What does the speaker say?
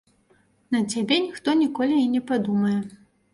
На цябе ніхто ніколі і не падумае.